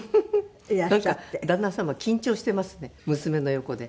なんか旦那様緊張していますね娘の横で。